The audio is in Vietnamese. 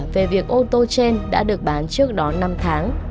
về việc ô tô trên đã được bán trước đó năm tháng